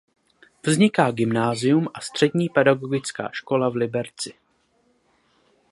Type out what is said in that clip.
Vzniká Gymnázium a Střední pedagogická škola v Liberci.